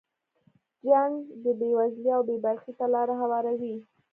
جنګ د بې وزلۍ او بې برخې ته لاره هواروي.